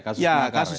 kasus makar ya